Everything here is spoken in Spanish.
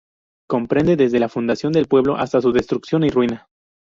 Comprende, desde la fundación del pueblo hasta su destrucción y ruina.